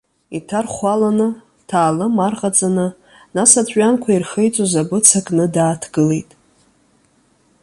Иҭархәаланы, ҭаалым арҟаҵаны, нас аҵәҩанқәа ирхеиҵоз абыца кны дааҭгылеит.